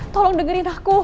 tolong dengerin aku